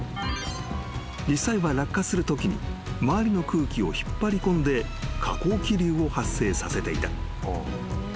［実際は落下するときに周りの空気を引っ張りこんで下降気流を発生させていた］